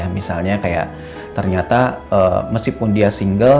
misalnya kayak ternyata meskipun dia single